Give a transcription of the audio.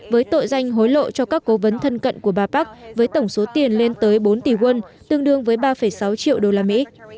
với tội danh hối lộ cho các cố vấn thân cận của bà park với tổng số tiền lên tới bốn tỷ won tương đương với ba sáu triệu usd